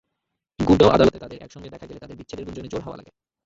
গুরগাঁও আদালতে তাঁদের একসঙ্গে দেখা গেলে তাঁদের বিচ্ছেদের গুঞ্জনে জোর হাওয়া লাগে।